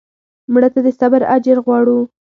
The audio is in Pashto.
مړه ته د صبر اجر غواړو